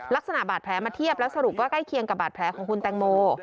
ลักษณะบาดแผลมาเทียบแล้วสรุปว่าใกล้เคียงกับบาดแผลของคุณแตงโม